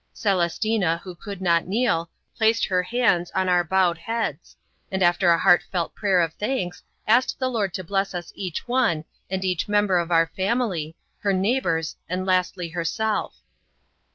Celestina who could not kneel, placed her hands on our bowed heads, and after a heartfelt prayer of thanks asked the Lord to bless us each one and each member of our family, her neighbors, and lastly herself.